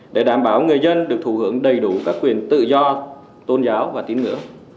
để đảm bảo người dân được thụ hưởng đầy đủ các quyền tự do tôn giáo và tín ngưỡng